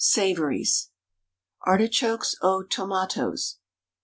SAVOURIES ARTICHOKES AUX TOMATOES.